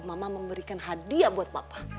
mama memberikan hadiah buat bapak